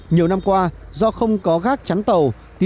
nhiều năm qua do không có gác chắn tàu